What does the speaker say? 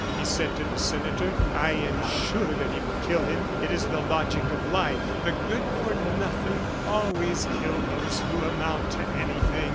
he said to the senator. "I am sure that he will kill him. It is the logic of life; the good for nothing always kill those who amount to anything."